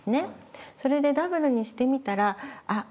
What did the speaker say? それでダブルにしてみたらあっ